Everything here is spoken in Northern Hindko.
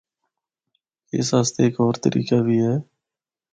اس اسطے ہک ہور طریقہ بھی ہے۔